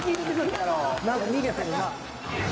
何か逃げてるな。